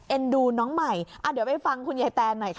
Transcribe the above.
ดูน้องใหม่เดี๋ยวไปฟังคุณยายแตนหน่อยค่ะ